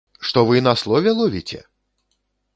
Што вы на слове ловіце?!